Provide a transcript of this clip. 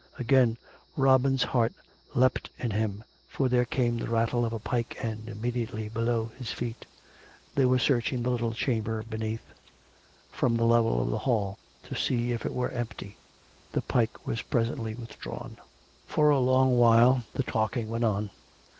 ... Again Robin's heart leaped in him, for there came the rattle of a pike end immediately below his feet. They were searching the little chamber beneath, from the level of the hall, to see if it were empty. The pike was presently withdrawn. For a long while the talking went on.